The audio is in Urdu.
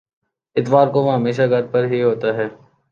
اتوار کو وہ ہمیشہ گھر پر ہی ہوتا ہے۔